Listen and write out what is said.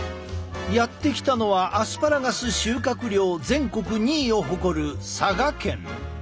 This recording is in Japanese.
やって来たのはアスパラガス収穫量全国２位を誇る佐賀県。